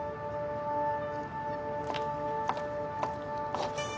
あっ！